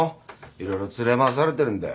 色々連れ回されてるんだよ。